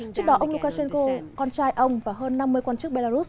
trước đó ông lukashenko con trai ông và hơn năm mươi quan chức belarus